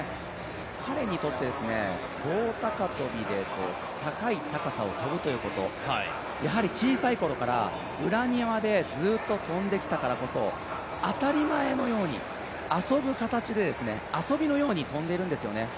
彼にとって棒高跳で高い高さを跳ぶということ、やはり小さいころから裏庭でずっと跳んできたからこそ当たり前のように遊ぶ形で、遊びのように跳んでいるんですよね。